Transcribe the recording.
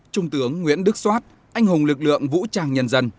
trung tướng nguyễn đức soát anh hùng lực lượng vũ trang nhân dân